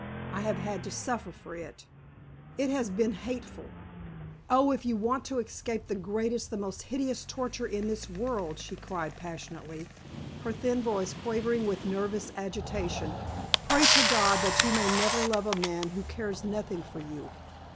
I have had to suffer for it. It has been hateful. Oh, if you want to escape the greatest, the most hideous torture in this world," she cried, passionately, her thin voice quavering with nervous agitation, "pray to God that you may never love a man who cares nothing for you.